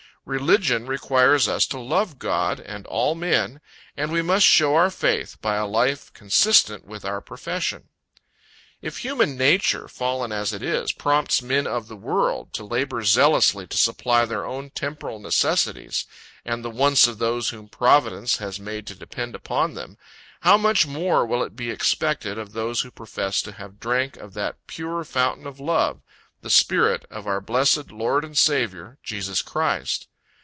Religion requires us to love God, and all men, and we must show our faith, by a life consistent with our profession. If human nature, fallen as it is, prompts men of the world to labor zealously to supply their own temporal necessities and the wants of those whom Providence has made to depend upon them, how much more will it be expected of those who profess to have drank of that pure Fountain of love, the Spirit of our blessed Lord and Saviour, Jesus Christ.